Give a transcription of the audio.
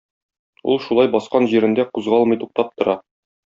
Ул шулай баскан җирендә кузгалмый туктап тора.